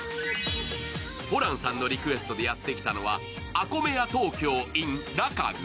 ホランさんのリクエストでやってきたのはＡＫＯＭＥＹＡＴＯＫＹＯｉｎｌａｋａｇｕ。